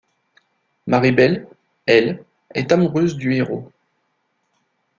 Maribel, elle, est amoureuse du héros.